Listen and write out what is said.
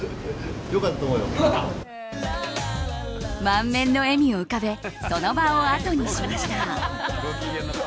満面の笑みを浮かべその場をあとにしました。